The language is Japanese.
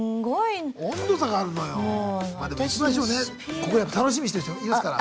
ここやっぱ楽しみにしてる人いますから。